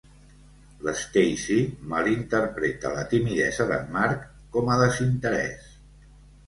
L'Stacy malinterpreta la timidesa d'en Mark com a desinterès.